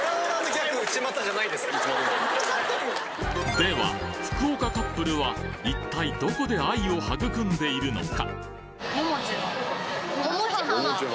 では福岡カップルは一体どこで愛を育んでいるのか？